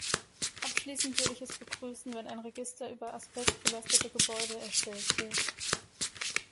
Abschließend würde ich es begrüßen, wenn ein Register über asbestbelastete Gebäude erstellt wird.